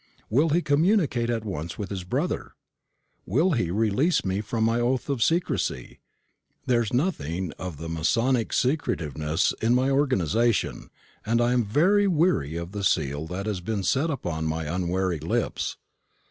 Will he communicate at once with his brother? Will he release me from my oath of secrecy? There is nothing of the masonic secretiveness in my organisation, and I am very weary of the seal that has been set upon my unwary lips.